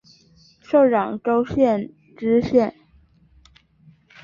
授长洲县知县。